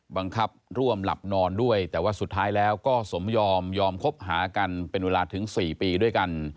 บังคับร่วมหลับนอนด้วยแต่ว่าสุดท้ายแล้วก็สมยอมยอมคบหากันเป็นเวลาถึง๔ปีด้วยกัน